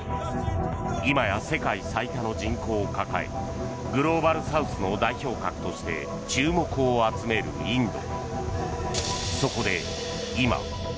今や世界最多の人口を抱えグローバルサウスの代表格として注目を集めるインド。